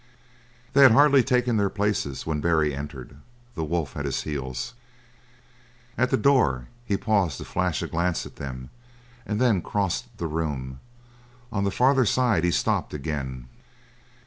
They had hardly taken their places when Barry entered, the wolf at his heels; at the door he paused to flash a glance at them and then crossed the room. On the farther side he stopped again.